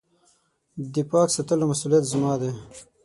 د پاک ساتلو مسولیت زما دی .